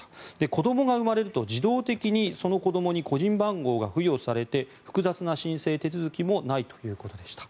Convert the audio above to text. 子どもが生まれると自動的にその子どもに個人番号が付与されて複雑な申請手続きもないということでした。